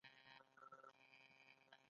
غوزان په غرنیو سیمو کې کیږي.